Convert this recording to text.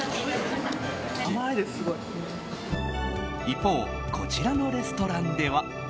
一方、こちらのレストランでは。